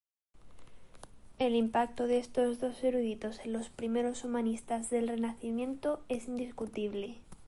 El impacto de estos dos eruditos en los primeros humanistas del Renacimiento es indiscutible.